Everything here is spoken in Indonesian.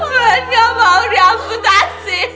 bulan gak mau diamputasi